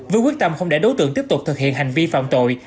với quyết tâm không để đối tượng tiếp tục thực hiện hành vi phạm tội